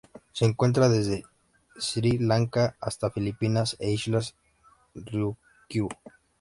Se encuentra desde Sri Lanka hasta las Filipinas e Islas Ryukyu.